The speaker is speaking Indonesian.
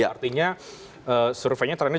artinya surveinya trennya